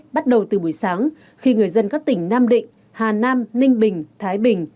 bắt đầu từ buổi sáng khi người dân các tỉnh nam định hà nam ninh bình thái bình